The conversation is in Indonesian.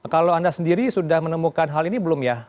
kalau anda sendiri sudah menemukan hal ini belum ya